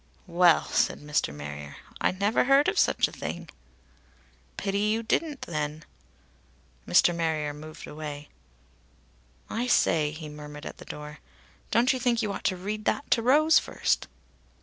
"Well," said Mr. Marrier. "I never heard of such a thing!" "Pity you didn't, then!" Mr. Marrier moved away. "I say," he murmured at the door. "Don't you think you ought to read that to Rose first?"